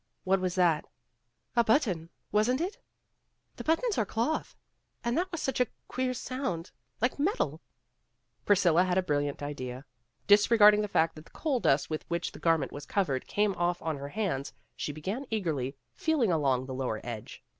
"What was that?" "A button, wasn't it?" "The buttons are cloth. And that was such a queer sound like metal." 198 PEGGY RAYMOND'S WAY Priscilla had a brilliant idea. Disregarding the fact that the coal dust with which the gar ment was covered came off on her hands, she began eagerly feeling along the lower edge.